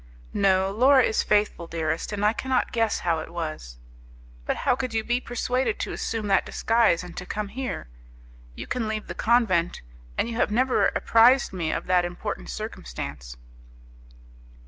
"No, Laura is faithful, dearest, and I cannot guess how it was." "But how could you be persuaded to assume that disguise, and to come here? You can leave the convent, and you have never apprised me of that important circumstance."